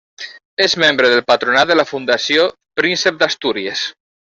És membre del Patronat de la Fundació Príncep d'Astúries.